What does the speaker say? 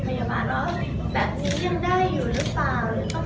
แล้วคุณแม่นก็จด